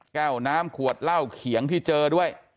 แก้วน้ำขวดเหล้าเขียงที่เจอด้วย